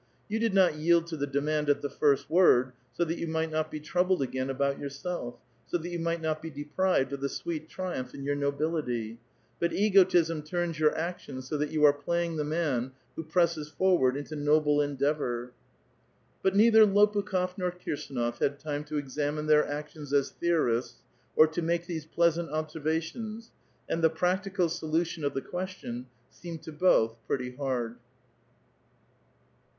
You did not yield to the demand at the first word, so tliat you might not be troubled again about yourself, so that you might not be deprived of the sweet triumph in your nobility* ; but egotism turns your actions so that you are placing the man who presses forward into noble endeavor." But neither Lopukh6f nor Kirsdnof had time to examine their actions as theorists, or to make these pleasant obser vations ; and the practical solution of the question seemed to both pretty hard.